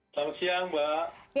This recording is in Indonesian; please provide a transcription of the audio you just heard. selamat siang mbak